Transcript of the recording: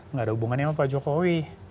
nggak ada hubungannya sama pak jokowi